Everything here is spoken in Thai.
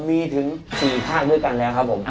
มีถึง๔ภาคด้วยกันแล้วครับผม